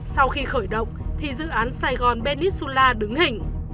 sau khi khởi động thì dự án sài gòn benisula đứng hình